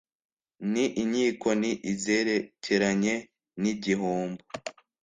n inkiko n izerekeranye n igihombo